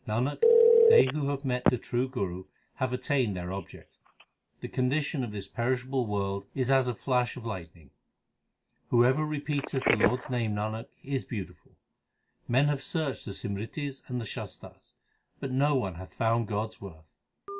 Nanak, they who have met the true Guru, have attained their object. The condition of this perishable world is as a flash of lightning. Whoever repeateth the Lord s name, Nanak, is beautiful. Men have searched the Simritis and the Shastars, but no one hath found God s worth.